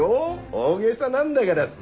大げさなんだがらさ